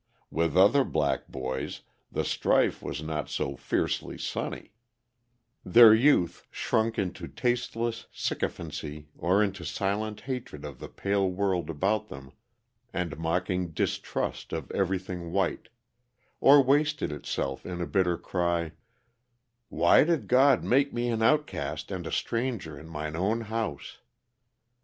With other black boys the strife was not so fiercely sunny; their youth shrunk into tasteless sycophancy or into silent hatred of the pale world about them and mocking distrust of everything white; or wasted itself in a bitter cry, Why did God make me an outcast and a stranger in mine own house?